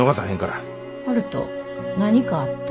悠人何かあった？